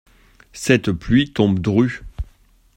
Cette pluie tombe drue.